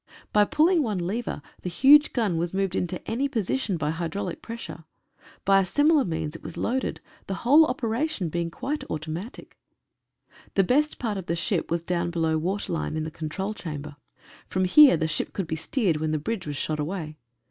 By pulling one lever the huge gun was moved into any position by hydraulic pressure. By a similar means it was loaded — the whole operation being quite automatic. The best part of the ship was down below waterline in the control chamber. From here the ship could be steered when the bridge was shot away.